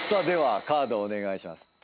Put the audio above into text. ではカードをお願いします。